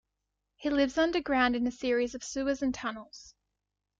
He lives underground in a series of sewers and tunnels.